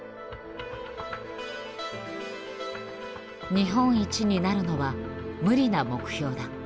「日本一になるのは無理な目標だ。